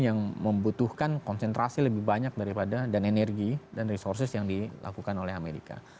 yang membutuhkan konsentrasi lebih banyak daripada dan energi dan resources yang dilakukan oleh amerika